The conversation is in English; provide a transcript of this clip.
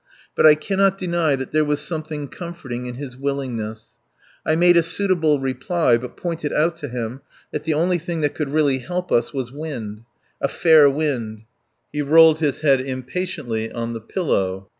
But I cannot deny that there was something comforting in his willingness. I made a suitable reply, but pointed out to him that the only thing that could really help us was wind a fair wind. He rolled his head impatiently on the pillow.